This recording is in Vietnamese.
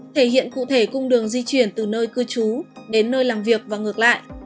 thể hiện cụ thể cung đường di chuyển từ nơi cư trú đến nơi làm việc và ngược lại